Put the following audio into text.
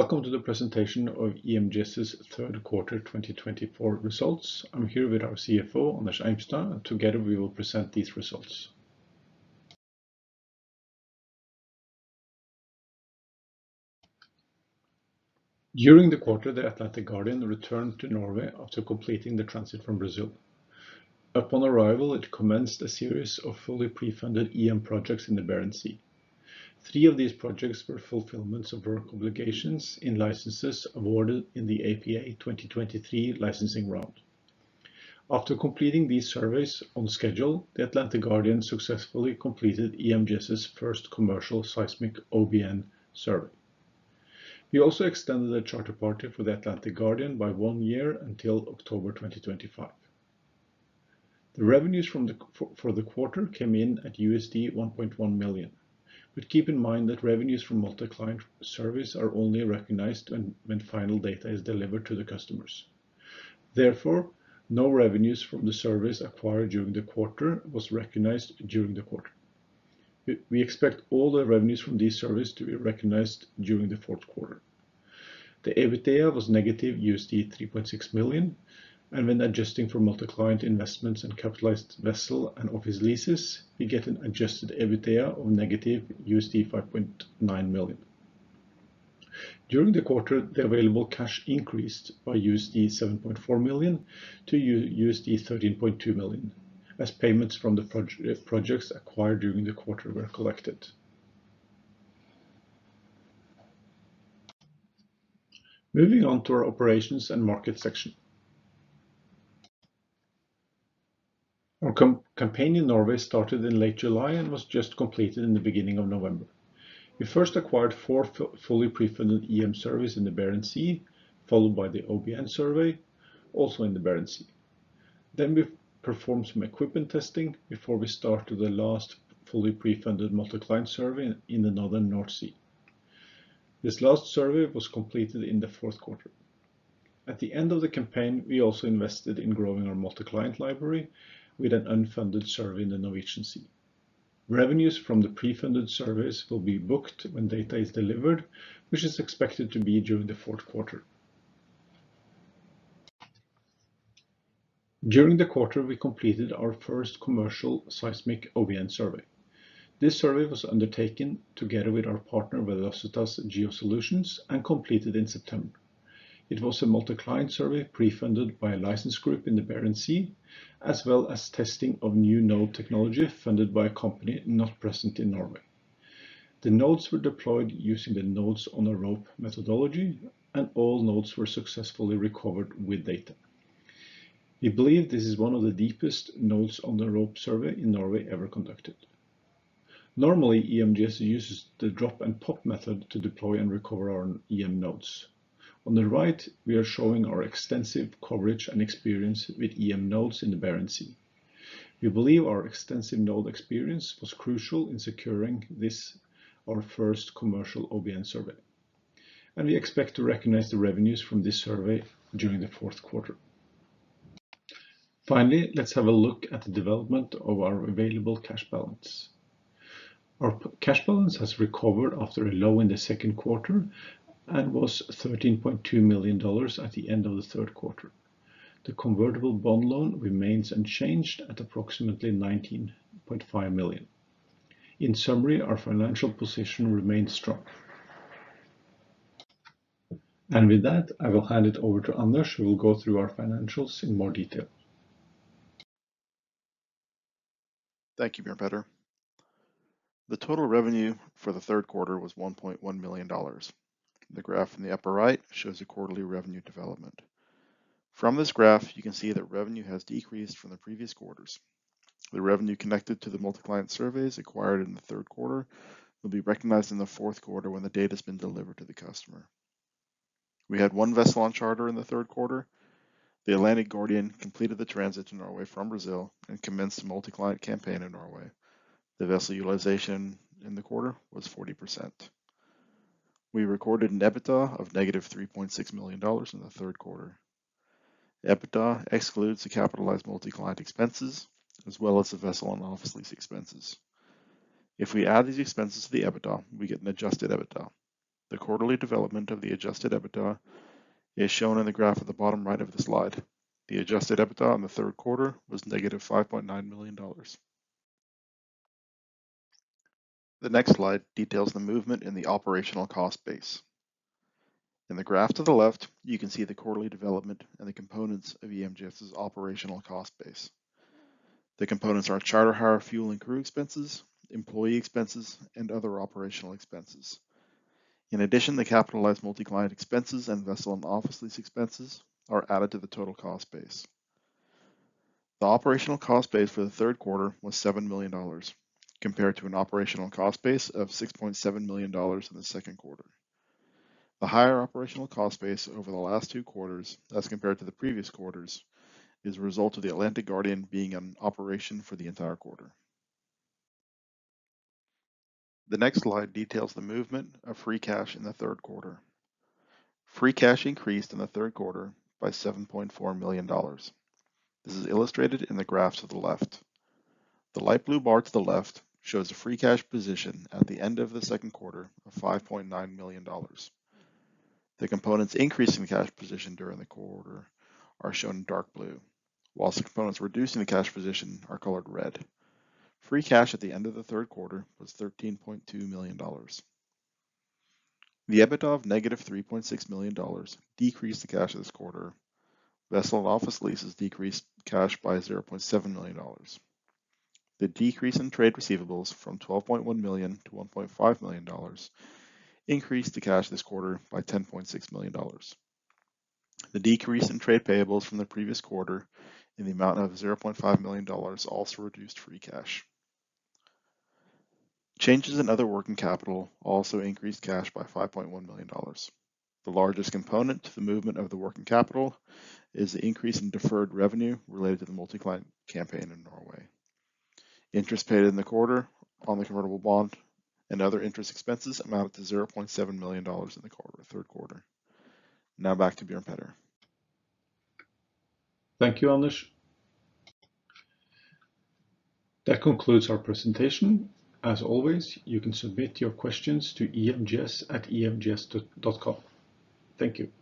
Welcome to the presentation of EMGS's third quarter 2024 results. I'm here with our CFO, Anders Eimstad, and together we will present these results. During the quarter, the Atlantic Guardian returned to Norway after completing the transit from Brazil. Upon arrival, it commenced a series of fully pre-funded EM projects in the Barents Sea. Three of these projects were fulfillments of work obligations in licenses awarded in the APA 2023 licensing round. After completing these surveys on schedule, the Atlantic Guardian successfully completed EMGS's first commercial seismic OBN survey. We also extended the charter party for the Atlantic Guardian by one year until October 2025. The revenues for the quarter came in at $1.1 million, but keep in mind that revenues from multi-client surveys are only recognized when final data is delivered to the customers. Therefore, no revenues from the surveys acquired during the quarter were recognized during the quarter. We expect all the revenues from these surveys to be recognized during the fourth quarter. The EBITDA was negative $3.6 million, and when adjusting for multi-client investments and capitalized vessel and office leases, we get an adjusted EBITDA of negative $5.9 million. During the quarter, the available cash increased by $7.4 million to $13.2 million, as payments from the projects acquired during the quarter were collected. Moving on to our operations and market section. Our campaign in Norway started in late July and was just completed in the beginning of November. We first acquired four fully pre-funded EM surveys in the Barents Sea, followed by the OBN survey, also in the Barents Sea. Then we performed some equipment testing before we started the last fully pre-funded multi-client survey in the northern North Sea. This last survey was completed in the fourth quarter. At the end of the campaign, we also invested in growing our multi-client library with an unfunded survey in the Norwegian Sea. Revenues from the pre-funded surveys will be booked when data is delivered, which is expected to be during the fourth quarter. During the quarter, we completed our first commercial seismic OBN survey. This survey was undertaken together with our partner, Velocitus Geosolutions, and completed in September. It was a multi-client survey pre-funded by a license group in the Barents Sea, as well as testing of new node technology funded by a company not present in Norway. The nodes were deployed using the nodes-on-a-rope methodology, and all nodes were successfully recovered with data. We believe this is one of the deepest nodes-on-a-rope surveys in Norway ever conducted. Normally, EMGS uses the drop-and-pop method to deploy and recover our EM nodes. On the right, we are showing our extensive coverage and experience with EM nodes in the Barents Sea. We believe our extensive node experience was crucial in securing our first commercial OBN survey, and we expect to recognize the revenues from this survey during the fourth quarter. Finally, let's have a look at the development of our available cash balance. Our cash balance has recovered after a low in the second quarter and was $13.2 million at the end of the third quarter. The convertible bond loan remains unchanged at approximately $19.5 million. In summary, our financial position remains strong, and with that, I will hand it over to Anders, who will go through our financials in more detail. Thank you, Bjørn Petter. The total revenue for the third quarter was $1.1 million. The graph in the upper right shows the quarterly revenue development. From this graph, you can see that revenue has decreased from the previous quarters. The revenue connected to the multi-client surveys acquired in the third quarter will be recognized in the fourth quarter when the data has been delivered to the customer. We had one vessel on charter in the third quarter. The Atlantic Guardian completed the transit in Norway from Brazil and commenced a multi-client campaign in Norway. The vessel utilization in the quarter was 40%. We recorded an EBITDA of negative $3.6 million in the third quarter. EBITDA excludes the capitalized multi-client expenses, as well as the vessel and office lease expenses. If we add these expenses to the EBITDA, we get an adjusted EBITDA. The quarterly development of the adjusted EBITDA is shown in the graph at the bottom right of the slide. The adjusted EBITDA in the third quarter was negative $5.9 million. The next slide details the movement in the operational cost base. In the graph to the left, you can see the quarterly development and the components of EMGS's operational cost base. The components are charter hire fuel and crew expenses, employee expenses, and other operational expenses. In addition, the capitalized multi-client expenses and vessel and office lease expenses are added to the total cost base. The operational cost base for the third quarter was $7 million, compared to an operational cost base of $6.7 million in the second quarter. The higher operational cost base over the last two quarters, as compared to the previous quarters, is a result of the Atlantic Guardian being in operation for the entire quarter. The next slide details the movement of free cash in the third quarter. Free cash increased in the third quarter by $7.4 million. This is illustrated in the graphs to the left. The light blue bar to the left shows the free cash position at the end of the second quarter of $5.9 million. The components increasing the cash position during the quarter are shown in dark blue, while the components reducing the cash position are colored red. Free cash at the end of the third quarter was $13.2 million. The EBITDA of negative $3.6 million decreased the cash of this quarter. Vessel and office leases decreased cash by $0.7 million. The decrease in trade receivables from $12.1 million to $1.5 million increased the cash of this quarter by $10.6 million. The decrease in trade payables from the previous quarter in the amount of $0.5 million also reduced free cash. Changes in other working capital also increased cash by $5.1 million. The largest component to the movement of the working capital is the increase in deferred revenue related to the multi-client campaign in Norway. Interest paid in the quarter on the convertible bond and other interest expenses amounted to $0.7 million in the third quarter. Now back to Bjørn Petter. Thank you, Anders. That concludes our presentation. As always, you can submit your questions to emgs@emgs.com. Thank you.